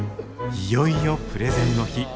いよいよプレゼンの日。